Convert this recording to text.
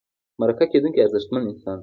مرکه کېدونکی ارزښتمن انسان دی.